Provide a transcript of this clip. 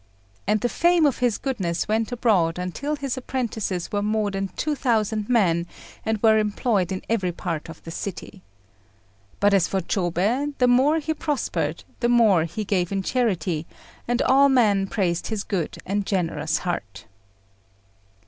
And the fame of his goodness went abroad until his apprentices were more than two thousand men, and were employed in every part of the city. But as for Chôbei, the more he prospered, the more he gave in charity, and all men praised his good and generous heart.